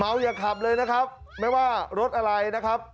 อย่าขับเลยนะครับไม่ว่ารถอะไรนะครับ